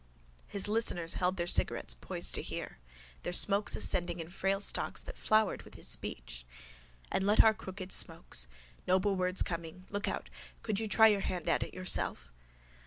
_ His listeners held their cigarettes poised to hear, their smokes ascending in frail stalks that flowered with his speech. And let our crooked smokes. Noble words coming. Look out. Could you try your hand at it yourself?